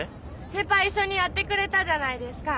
先輩一緒にやってくれたじゃないですか。